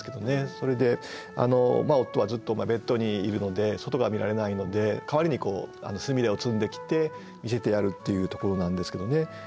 それで夫はずっとベッドにいるので外が見られないので代わりにすみれを摘んできて見せてやるっていうところなんですけどね。